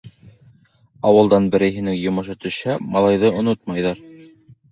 Ауылдан берәйһенең йомошо төшһә, малайҙы онотмайҙар.